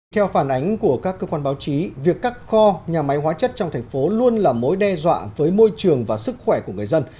theo phản ánh của các cơ quan báo chí việc các kho nhà máy hóa chất trong thành phố luôn là mối đe dọa với môi trường và sức khỏe của người dân